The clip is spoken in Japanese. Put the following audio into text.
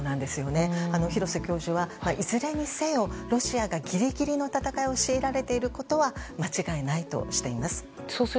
廣瀬教授はいずれにせよロシアがギリギリの戦いを強いられていることは間違いないとしています。